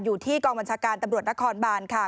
อยู่ที่กองบัญชาการตำรวจนครบานค่ะ